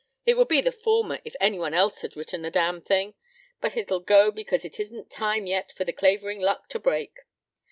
It would be the former if any one else had written the damn thing, but it'll go because it isn't time yet for the Clavering luck to break.